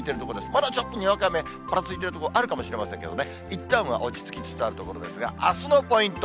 まだちょっとにわか雨ぱらついてる所あるかもしれませんけどね、いったんは落ち着きつつあるところですが、あすのポイント。